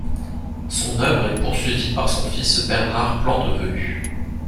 Son œuvre est poursuivie par son fils Bernard Plantevelue.